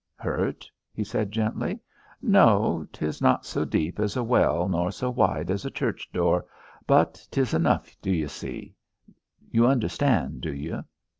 "Hurt?" he said gently. "No, 'tis not so deep as a well nor so wide as a church door, but 'tis enough, d'you see? You understand, do you?